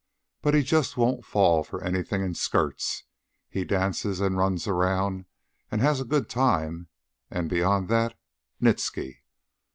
But he just won't fall for anything in skirts. He dances, an' runs around, an' has a good time, an' beyond that nitsky.